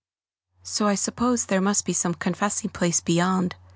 So I suppose there must be some confessing place beyond.